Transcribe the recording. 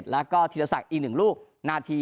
แล้วก็ธิรษักษ์อีก๑ลูกนาที๖๒